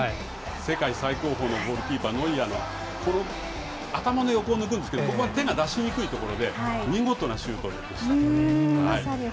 世界最高峰のゴールキーパー、ノイアーが、この頭の横を抜くんですけど、ここが手が出しにくいところで、見事なシュートでしたね。